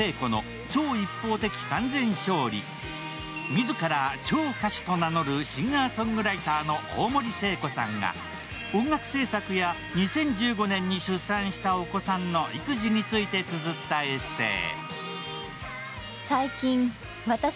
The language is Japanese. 自ら超歌手と名乗るシンガーソングライターの大森靖子さんが音楽制作や２０１５年に出産したお子さんの育児についてつづったエッセー。